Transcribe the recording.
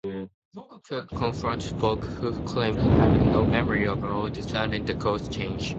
Kirk confronts Spock, who claims having no memory of ordering the course change.